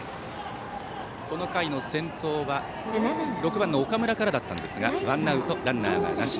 この回の先頭は６番、岡村からでしたがワンアウトランナーなし。